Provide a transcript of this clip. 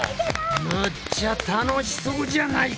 むっちゃ楽しそうじゃないか！